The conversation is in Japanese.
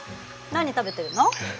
何食べてるの？